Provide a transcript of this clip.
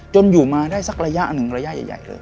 อยู่มาได้สักระยะหนึ่งระยะใหญ่เลย